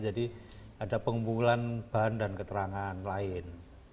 jadi ada pengumpulan bahan dan keterangan lain